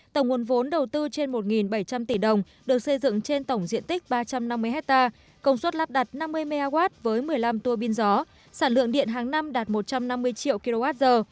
tổng nguồn vốn đầu tư trên một bảy trăm linh tỷ đồng được xây dựng trên tổng diện tích ba trăm năm mươi hectare công suất lắp đặt năm mươi mw với một mươi năm tua pin gió sản lượng điện hàng năm đạt một trăm năm mươi triệu kwh